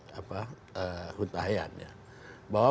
bapak bika educate